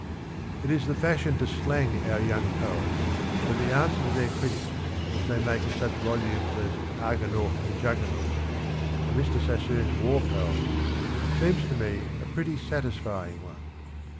"It is the fashion to slang our young poets, but the answer to their critics which they make in such volumes as ' Argonaut and Juggernaut,' and Mr. Sassoon's war poems ii8 ... seems to mo a pretty satisfying one